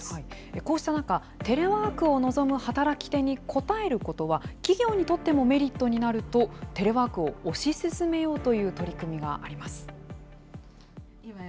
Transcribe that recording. こうした中、テレワークを望む働き手に応えることは、企業にとってもメリットになると、テレワークを推し進めようという取り組みがあります。